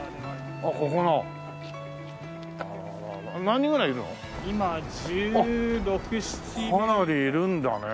あっかなりいるんだね。